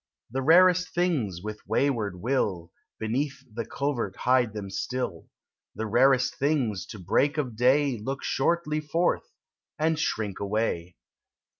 The rarest things, with wayward will, Beneath the covert hide them still ; The rarest things to break of day Look shortly forth, and shrink away.